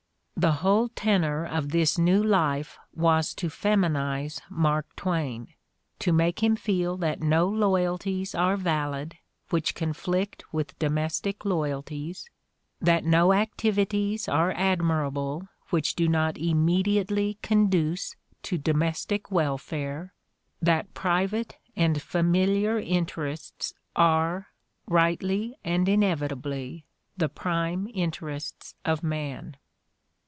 The whole tenor of this new life was to feminize Mark Twain, to make him feel that no loyalties are valid which conflict with domestic loyalties, that no activities are admirable which do not immediately conduce to domestic welfare, that private and familiar interests are, rightly and inevitably, the prime interests of man.